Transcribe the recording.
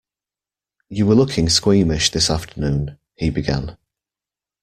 You were looking squeamish this afternoon, he began.